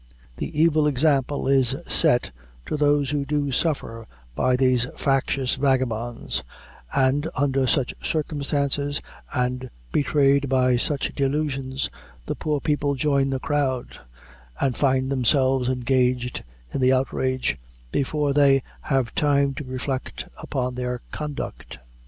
The evil example is set to those who do suffer by these factious vagabonds; and, under such circumstances, and betrayed by such delusions, the poor people join the crowd, and find themselves engaged in the outrage, before they have time to reflect upon their conduct.